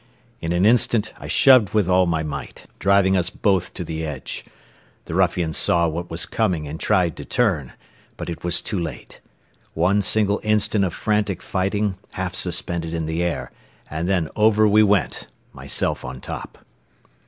In an instant I shoved with all my might, driving us both to the edge. The ruffian saw what was coming and tried to turn, but it was too late. One single instant of frantic fighting, half suspended in the air, and then over we went, myself on top.